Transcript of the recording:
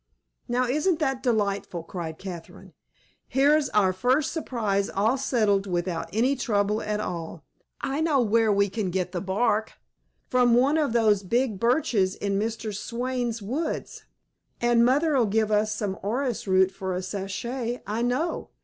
"Now, isn't that delightful!" cried Catherine. "Here's our first surprise all settled without any trouble at all. I know where we can get the bark, from one of those big birches in Mr. Swayne's woods, and mother'll give us some orris root for a sachet, I know.